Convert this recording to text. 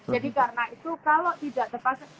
jadi karena itu kalau tidak terpaksa